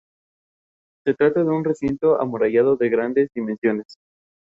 Juega de centrocampista y su equipo actual es el West Ham United.